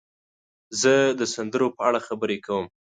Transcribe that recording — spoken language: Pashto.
زه د سندرو په اړه خبرې کوم.